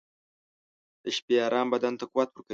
• د شپې ارام بدن ته قوت ورکوي.